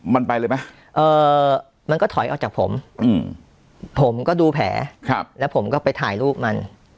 มันไปเลยไหมมันก็ถอยออกจากผมผมก็ดูแผลแล้วผมก็ไปถ่ายรูปมัน